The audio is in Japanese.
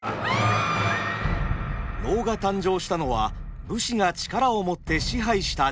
能が誕生したのは武士が力を持って支配した時代。